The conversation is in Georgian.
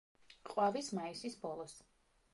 ყვავის მაისის ბოლოს.